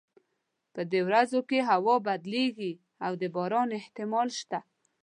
په دې ورځو کې هوا بدلیږي او د باران احتمال شته